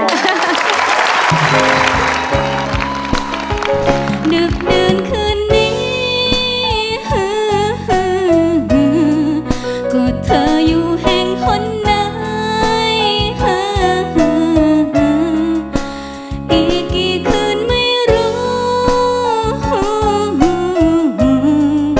อีกกี่คืนไม่รู้